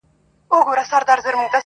دومره ساده نه یم چي خپل قاتل مي وستایمه!.